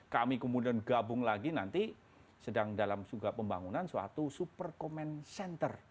kami kemudian gabung lagi nanti sedang dalam juga pembangunan suatu super command center